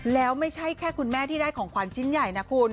แล้วไม่ใช่แค่คุณแม่ที่ได้ของขวัญชิ้นใหญ่นะคุณ